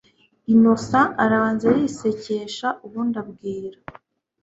Innocent arabanza arisekesha ubundi abwira